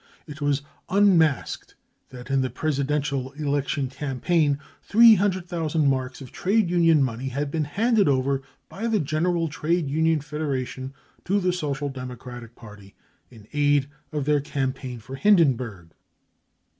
55 It was " unmasked 55 that in the presidential election campaign 300,000 marks of trade union money had been handed over by the General Trade Union Federation to the Social Democratic Party in aid of their campaign for Hindenburg.